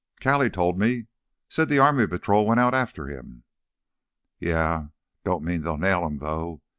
"Callie told me. Said the army patrol went out after him." "Yeah, don't mean they'll nail him though.